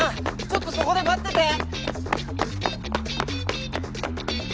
ちょっとそこで待ってて！